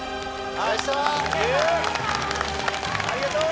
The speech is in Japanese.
ありがとう！